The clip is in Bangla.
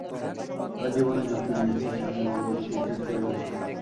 তারা জীবনের ঝুঁকি নিয়েছে, আমি বলব, ব্রিটিশদের চেয়েও বেশি।